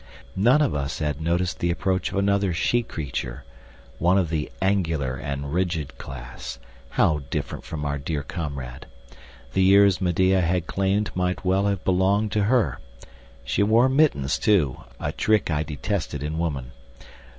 None of us had noticed the approach of another she creature one of the angular and rigid class how different from our dear comrade! The years Medea had claimed might well have belonged to her; she wore mittens, too a trick I detested in woman.